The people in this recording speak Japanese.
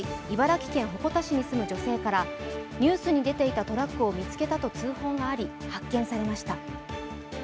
茨城県鉾田市に住む女性からニュースに出ていたトラックを見つけたと通報があり、発見されました。